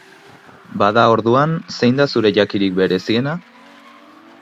Bada, orduan, zein da zure jakirik bereziena?